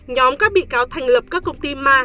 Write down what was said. nhóm các bị cáo thành lập các công ty ma